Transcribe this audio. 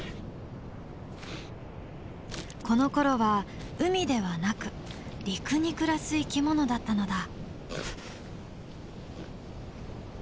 このころは海ではなく陸に暮らす生き物だったのだ。